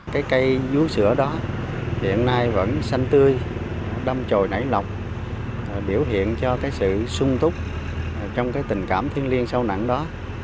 cây cây vú sữa đó hiện nay vẫn xanh tươi đâm trồi nảy lọc biểu hiện cho sự sung túc trong tình cảm thiên liêng sâu nặng đó